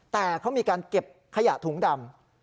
แต่เขามีการเก็บขยะถุงดำ